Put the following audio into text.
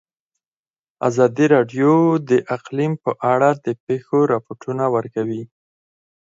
ازادي راډیو د اقلیم په اړه د پېښو رپوټونه ورکړي.